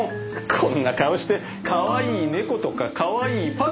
こんな顔してかわいい猫とかかわいいパンダとか。